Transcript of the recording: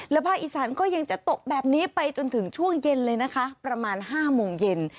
ภาคอีสานก็ยังจะตกแบบนี้ไปจนถึงช่วงเย็นเลยนะคะประมาณ๕โมงเย็น